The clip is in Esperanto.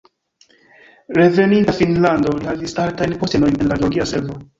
Reveninta al Finnlando li havis altajn postenojn en la geologia servo.